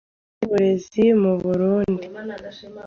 y’Uburezi mu Burunndi